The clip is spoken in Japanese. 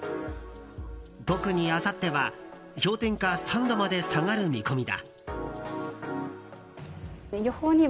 特にあさっては氷点下３度まで下がる見込みだ。